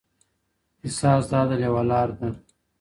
قصاص د عدل یوه لاره ده.